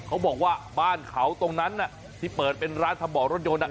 เขาบอกว่าบ้านเขาตรงนั้นที่เปิดเป็นร้านทำบ่อรถยนต์